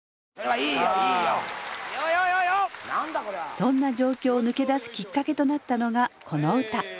そんな状況を抜け出すきっかけとなったのがこの歌。